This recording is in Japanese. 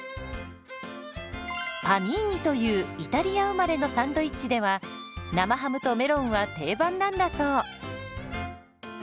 「パニーニ」というイタリア生まれのサンドイッチでは生ハムとメロンは定番なんだそう。